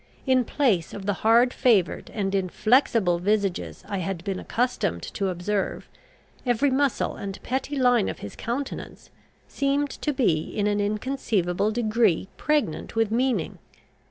In place of the hard favoured and inflexible visages I had been accustomed to observe, every muscle and petty line of his countenance seemed to be in an inconceivable degree pregnant with meaning.